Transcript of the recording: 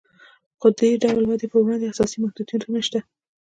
خو د دې ډول ودې پر وړاندې اساسي محدودیتونه شته